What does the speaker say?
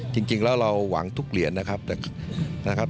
จริงแล้วเราหวังทุกเหรียญนะครับ